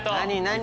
何？